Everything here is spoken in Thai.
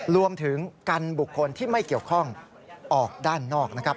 รวมถึงกันบุคคลที่ไม่เกี่ยวข้องออกด้านนอกนะครับ